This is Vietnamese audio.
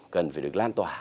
cần phải được lan tỏa